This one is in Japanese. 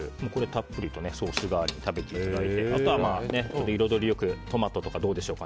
たっぷりとソース代わりに食べていただいてあとは彩りよくトマトとかどうでしょう。